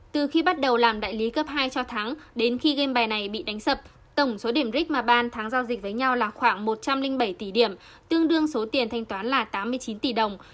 từ khi bắt đầu làm đại lý cấp hai cho thắng đến khi game bài này bị đánh sập tổng số điểm rick mà ban thắng giao dịch với nhau là khoảng một trăm linh bảy tỷ điểm tương đương số tiền thanh toán là tám mươi chín tỷ đồng